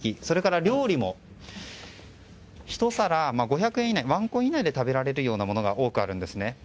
それから料理も１皿５００円以内ワンコイン以内で食べられるようなものが多くあるんですね。